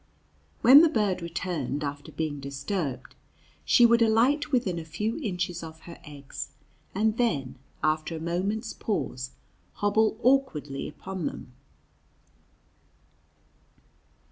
When the bird returned after being disturbed, she would alight within a few inches of her eggs, and then, after a moment's pause, hobble awkwardly upon them.